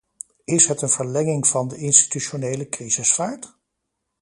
Is het een verlenging van de institutionele crisisvaart?